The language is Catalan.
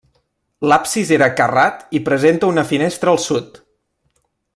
L'absis era carrat i presenta una finestra al Sud.